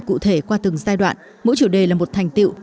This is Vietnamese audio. cụ thể qua từng giai đoạn mỗi chủ đề là một thành tiệu